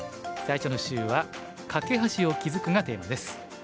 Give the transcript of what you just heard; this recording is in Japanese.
最初の週は「カケ橋を築く」がテーマです。